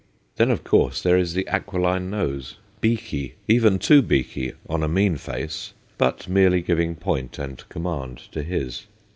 Then, of course, there is the aquiline nose :' beaky/ even too beaky, on a mean face, but merely giving point and command to his.